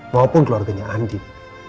maupun keluarganya andin